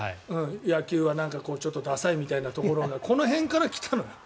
野球はちょっとダサいみたいなところがこの辺から来たのよ。